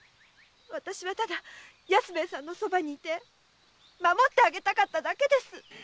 私はただ安兵衛さんの側にいて守ってあげたかっただけです！